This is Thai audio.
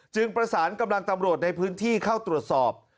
ประสานกำลังตำรวจในพื้นที่เข้าตรวจสอบ